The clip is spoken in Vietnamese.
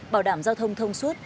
bảo đảm giao thông thông suốt